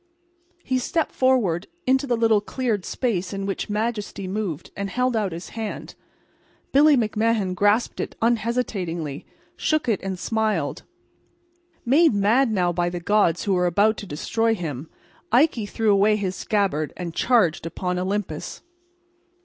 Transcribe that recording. He stepped forward into the little cleared space in which majesty moved, and held out his hand. Billy McMahan grasped it unhesitatingly, shook it and smiled. Made mad now by the gods who were about to destroy him, Ikey threw away his scabbard and charged upon Olympus.